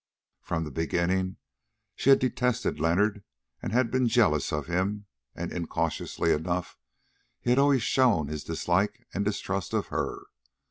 From the beginning she had detested Leonard and been jealous of him, and incautiously enough he had always shown his dislike and distrust of her.